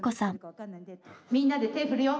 みんなで手振るよ。